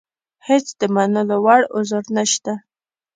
هېڅ د منلو وړ عذر نشته.